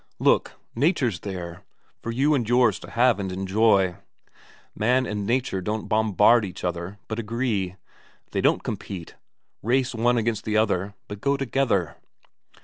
Look, Nature's there, for you and yours to have and enjoy. Man and Nature don't bombard each other, but agree; they don't compete, race one against the other, but go together.